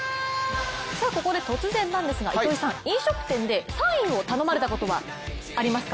ここで突然ですが糸井さん、飲食店でサインを頼まれたことはありますか？